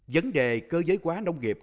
vấn đề cơ giới hóa nông nghiệp